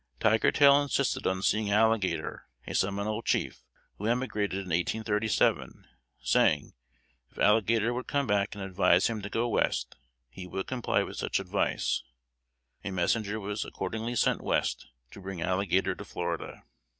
Tiger tail insisted on seeing Alligator, a Seminole chief, who emigrated in 1837, saying, if Alligator would come back and advise him to go West, he would comply with such advice. A messenger was accordingly sent West to bring Alligator to Florida.